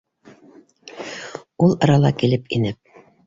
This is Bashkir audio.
Ул арала килеп инеп: